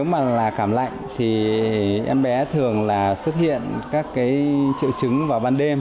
thật ra nếu mà là cảm lạnh thì em bé thường là xuất hiện các triệu chứng vào ban đêm